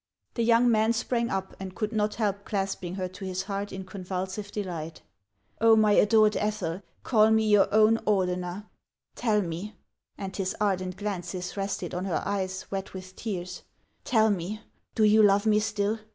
The young man sprang up, and could not help clasping her to his heart in convulsive delight. " Oh, my adored Ethel, call rue your own Ordener ! Tell me," — and his ardent glances rested on her eyes wet with teai's, —" tell me, do you love me still